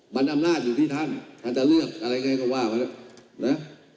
มันอำนาจอยู่ที่ท่านท่านจะเลือกอะไรไงก็ว่ามาแล้วนะ